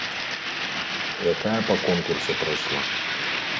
Якая па конкурсе прайшла.